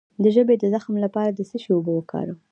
د ژبې د زخم لپاره د څه شي اوبه وکاروم؟